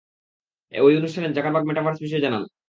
ঐ অনুষ্ঠানে Zuckerberg metaverse বিষয়ে জানান।